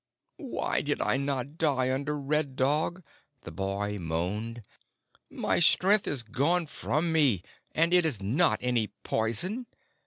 "Why did I not die under Red Dog?" the boy moaned. "My strength is gone from me, and it is not any poison.